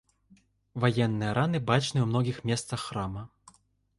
Ваенныя раны бачны ў многіх месцах храма.